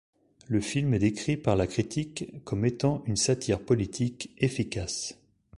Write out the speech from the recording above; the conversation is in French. Le film est décrit par la critique comme étant une satire politique efficace.